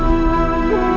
ibu bunda disini nak